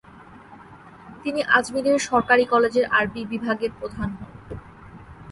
তিনি আজমিরের সরকারি কলেজের আরবি বিভাগের প্রধান হন।